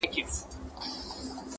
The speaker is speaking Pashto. اغېز واخيست ډېر قوي و